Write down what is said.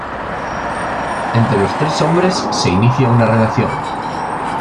Entre los tres hombres se inicia una relación.